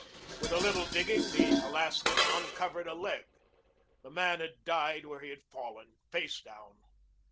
With a little digging the Alaskan uncovered a leg. The man had died where he had fallen, face down.